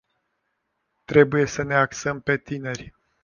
Trebuie să ne axăm pe tineri.